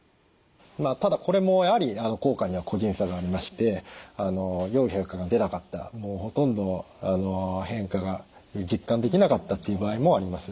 ただこれもやはり効果には個人差がありましてよい変化が出なかったほとんど変化が実感できなかったという場合もあります。